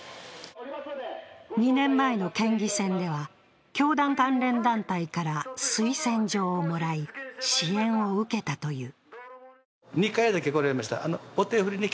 ２年前の県議選では、教団関連団体から推薦状をもらい、支援を受けたという。